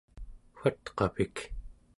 watqapik